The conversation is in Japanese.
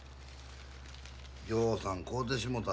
ぎょうさん買うてしもた。